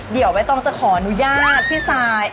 เดี๋ยวใบตองจะขออนุญาตพี่ซาย